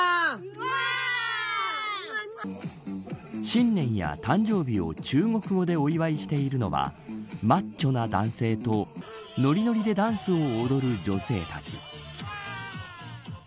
新年や誕生日を中国語でお祝いしているのはマッチョの男性とノリノリでダンスを踊る女性たち。